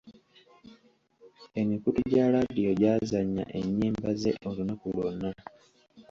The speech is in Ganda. Emikutu gya laadiyo gy'azannya ennyimba ze olunaku lwonna.